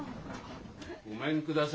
ごめんください。